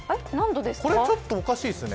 これはちょっとおかしいですね。